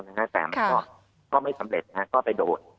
แต่มันก็ไม่สำเร็จก็ไปโดด